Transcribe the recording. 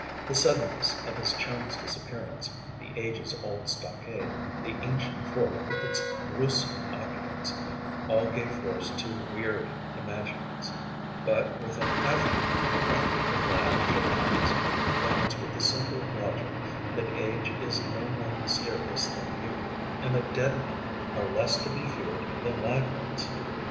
The suddenness of his chum's disappearance, the ages old stockade, the ancient fort, with its grewsome occupants, all gave force to weird imaginings; but, with an effort, the practical lad shook off his gloomy thoughts with the simple logic that age is no more mysterious than youth, and that dead men are less to be feared than live ones.